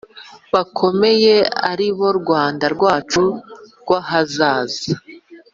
bakomeye aribo Rwanda rwacu rw ahazaza